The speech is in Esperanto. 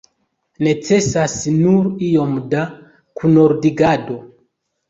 Necesas nur iom da kunordigado.